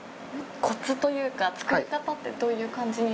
こつというか、作り方ってどういう感じに？